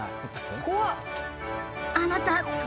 怖っ。